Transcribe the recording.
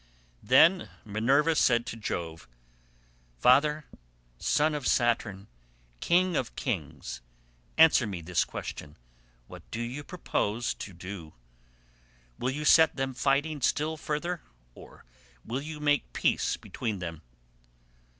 Then Minerva said to Jove, "Father, son of Saturn, king of kings, answer me this question—What do you propose to do? Will you set them fighting still further, or will you make peace between them?"